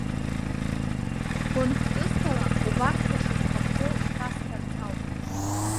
Гәынхәҵысҭала убарҭқәа шыԥха-ԥхоу ишәасҳәарц ауп.